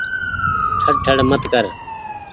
ٺڙ ٺڙ مت ڪر ۔